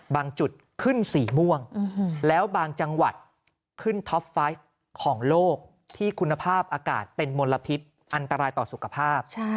บางจุดขึ้นสีม่วงแล้วบางจังหวัดขึ้นท็อปไฟต์ของโลกที่คุณภาพอากาศเป็นมลพิษอันตรายต่อสุขภาพ